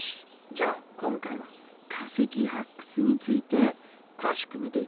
じゃあ今回は化石発掘について詳しく見ていこうか。